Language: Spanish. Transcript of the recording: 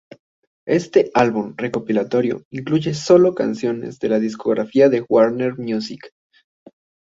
Éste álbum recopilatorio incluye sólo canciones de la discográfica Warner Music.